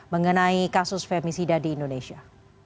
mengenai kasus femisida di indonesia